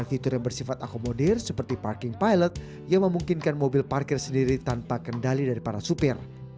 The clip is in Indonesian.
fitur yang bersifat akomodir seperti parking pilot yang memungkinkan mobil parkir sendiri tanpa kendali dari para supir